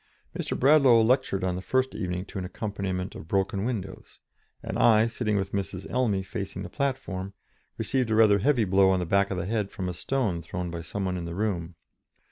Mr. Bradlaugh lectured on the first evening to an accompaniment of broken windows, and I, sitting with Mrs. Elmy facing the platform, received a rather heavy blow on the back of the head from a stone thrown by some one in the room.